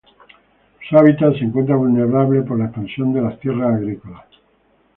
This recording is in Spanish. Su hábitat se encuentra vulnerable por la expansión de las tierras agrícolas.